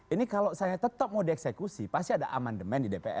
ini kalau saya tetap mau dieksekusi pasti ada amandemen di dpr